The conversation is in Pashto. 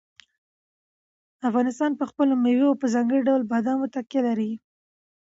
افغانستان په خپلو مېوو او په ځانګړي ډول بادامو تکیه لري.